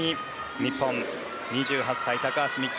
日本の２８歳、高橋美紀。